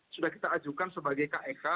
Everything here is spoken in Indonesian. sudah kita ajukan sebagai kek